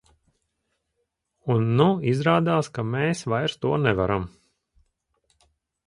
Un nu izrādās, ka mēs vairs to nevaram.